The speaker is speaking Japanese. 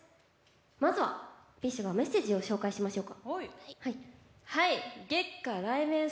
まずは、ＢｉＳＨへのメッセージを紹介しましょう。